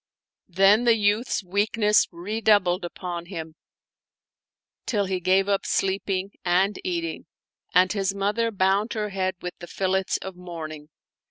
Then the youth's weakness redoubled upon him, till he gave up sleeping and eating, and his mother bound her head with the fillets of mourning.